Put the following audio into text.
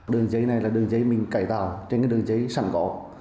đường dây này là đường dây mình cải tạo trên đường dây sẵn gõ